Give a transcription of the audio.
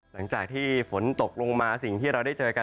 หลังจากที่ฝนตกลงมาสิ่งที่เราได้เจอกัน